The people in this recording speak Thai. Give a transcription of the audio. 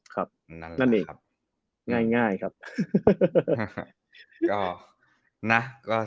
นั่นเองง่ายครับ